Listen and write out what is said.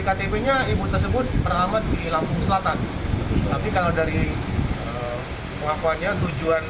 ktp nya ibu tersebut terlambat di lampung selatan tapi kalau dari pengakuannya tujuan